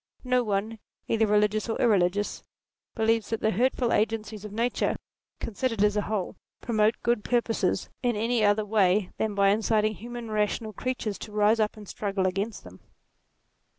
No one, either religious or irreligious, believes that the hurtful agencies of nature, considered as a whole, promote good purposes, in any other way than by inciting human rational creatures to rise up and struggle against them.